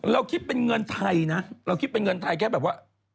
เราคิดเป็นเงินไทยนะเราคิดเป็นเงินไทยแค่แบบว่า